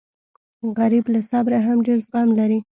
غریب له صبره هم ډېر زغم لري